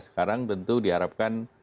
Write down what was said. sekarang tentu diharapkan